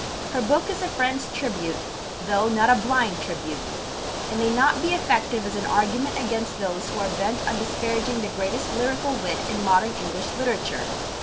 Her book is a friend's tribute, though not a blind tribute. It may not be effective as an argument against those who are bent on disparaging the greatest lyrical wit in modern English literature.